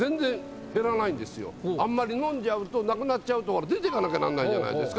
ところがあんまり飲んじゃうとなくなっちゃうと出てかなきゃならないじゃないですか。